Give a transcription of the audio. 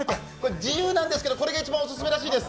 自由なんですけど、これが一番お勧めらしいです。